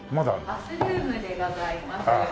バスルームでございます。